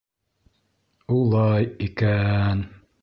— Улай икә-ән.